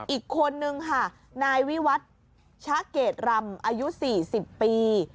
อีกคนนึงค่ะนายวิวัตรชะเกดรำอายุ๔๐ปี